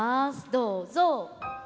どうぞ。